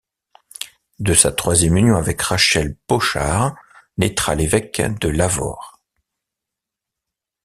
De sa troisième union avec Rachel Bochard, naîtra l'évêque de Lavaur.